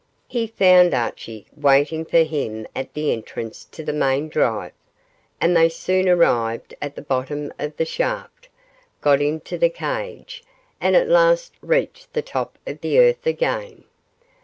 He found Archie waiting for him at the entrance to the main drive, and they soon arrived at the bottom of the shaft, got into the cage, and at last reached the top of the earth again.